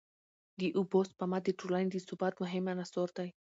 د اوبو سپما د ټولني د ثبات مهم عنصر دی.